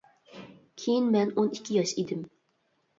كېيىن مەن ئون ئىككى ياش ئىدىم.